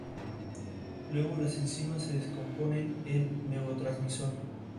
Asociado a este enfoque se establece como meta la Gestión Ambiental Integrada de Cuencas.